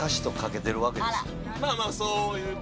まあまあそういう。